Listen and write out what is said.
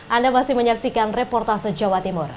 anda masih menyaksikan reportase jawa timur